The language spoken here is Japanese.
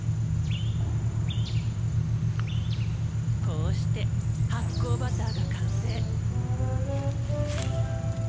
こうして発酵バターが完成。